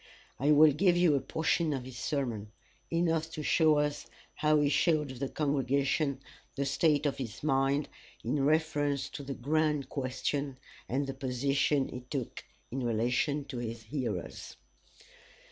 I will give a portion of his sermon enough to show us how he showed the congregation the state of his mind in reference to the grand question, and the position he took in relation to his hearers.